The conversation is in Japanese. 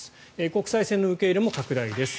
国際線の受け入れも拡大です。